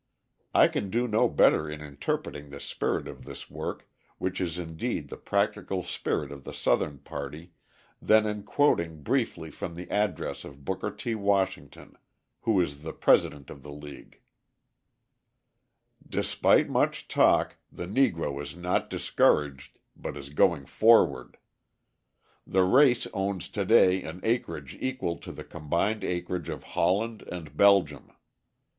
I can do no better in interpreting the spirit of this work, which is indeed the practical spirit of the Southern party, than in quoting briefly from the address of Booker T. Washington, who is the president of the league: Despite much talk, the Negro is not discouraged, but is going forward. The race owns to day an acreage equal to the combined acreage of Holland and Belgium.